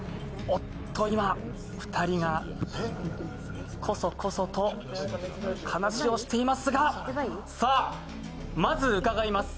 おっと、今、２人がこそこそと話をしていますがさあ、まず伺います。